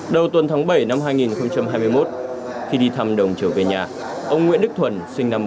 đầu tuần tháng bảy năm hai nghìn hai mươi một khi đi thăm đồng trở về nhà ông nguyễn đức thuần sinh năm một nghìn chín trăm tám mươi